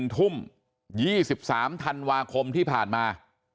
ทุ่ม๒๓ธันวาคมที่ผ่านมา